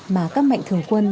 mà các mạnh thường